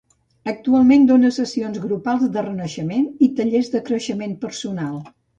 Actualment dona sessions grupals de renaixement i tallers de creixement personal.